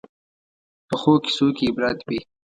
پخو کیسو کې عبرت وي